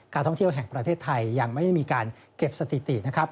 ท่องเที่ยวแห่งประเทศไทยยังไม่ได้มีการเก็บสถิตินะครับ